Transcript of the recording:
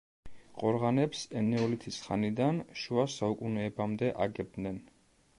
ყორღანებს ენეოლითის ხანიდან შუა საუკუნეებამდე აგებდნენ.